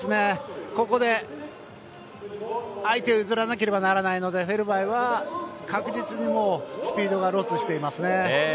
ここで相手を譲らなければならないのでフェルバイは確実にスピードがロスしていますね。